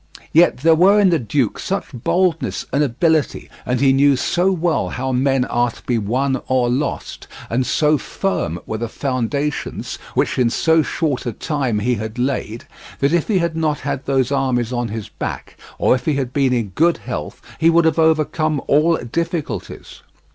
Yet there were in the duke such boldness and ability, and he knew so well how men are to be won or lost, and so firm were the foundations which in so short a time he had laid, that if he had not had those armies on his back, or if he had been in good health, he would have overcome all difficulties.